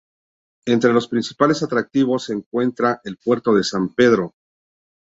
Entre los principales atractivos se encuentra el puerto de San Pedro.